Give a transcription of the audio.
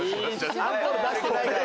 アンコール出してないから。